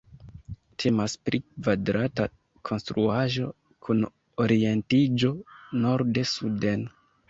Temas pri kvadrata konstruaĵo kun orientiĝo norde-suden.